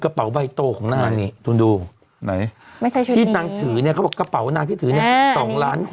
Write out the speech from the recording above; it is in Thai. ห์บี้โตของนานที่ดูไหนไม่ใช่ชาวนี้เนี่ยพี่น้องถึงกระเป๋านางที่ถึง๒ล้าน